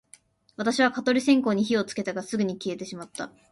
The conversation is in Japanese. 私は蚊取り線香に火をつけたが、すぐに消えてしまった